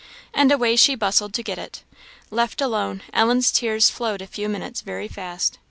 And away she bustled to get it. Left alone, Ellen's tears flowed a few minutes very fast.